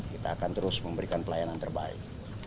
kita akan terus memberikan pelayanan terbaik